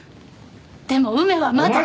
でも梅はまだ。